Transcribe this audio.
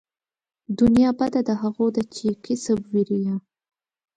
دنيا بده د هغو ده چې يې کسب وي ريا